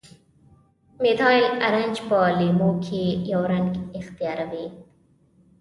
میتایل ارنج په لیمو کې یو رنګ اختیاروي.